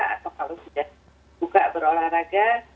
atau kalau sudah buka berolahraga